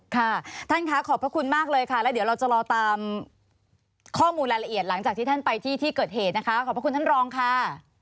ค่ะท่านคะขอบพระคุณมากเลยค่ะแล้วเดี๋ยวเราจะรอตามข้อมูลรายละเอียดหลังจากที่ท่านไปที่ที่เกิดเหตุนะคะขอบพระคุณท่านรองค่ะ